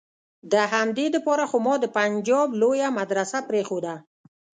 د همدې د پاره خو ما د پنجاب لويه مدرسه پرېخوده.